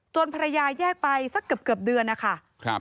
ภรรยาแยกไปสักเกือบเดือนนะคะ